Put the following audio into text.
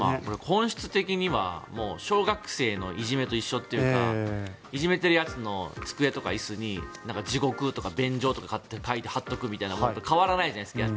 本質的には小学生のいじめと一緒というかいじめてるやつの机とか椅子に地獄とか便所とか書いて、貼っておくことと変わらないじゃないですか。